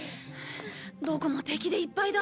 どこも敵でいっぱいだ。